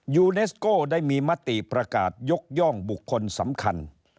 ยูเนสโก้ได้มีมติประกาศยกย่องบุคคลสำคัญ